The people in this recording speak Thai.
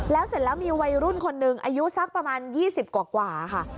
แล้วเสร็จแล้วมีวัยรุ่นคนหนึ่งอายุสักประมาณ๒๐กว่าค่ะ